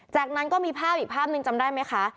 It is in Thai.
จากนั้นก็มีภาพอีกภาพหนึ่งจำได้ไหมคะ